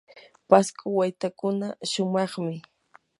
pasco waytakuna shumaqmi.